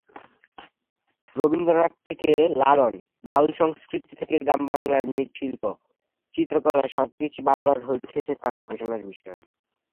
রবীন্দ্রনাথ থেকে লালন, বাউল সংস্কৃতি থেকে গ্রাম বাংলার মৃৎশিল্প, চিত্রকলা সবকিছুই বারবার হয়ে উঠেছে তার গবেষণার বিষয়।